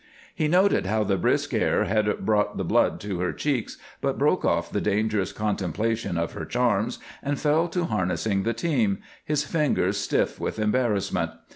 He noted how the brisk air had brought the blood to her cheeks, but broke off the dangerous contemplation of her charms and fell to harnessing the team, his fingers stiff with embarrassment.